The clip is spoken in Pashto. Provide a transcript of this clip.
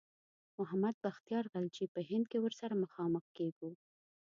محمد بختیار خلجي په هند کې ورسره مخامخ کیږو.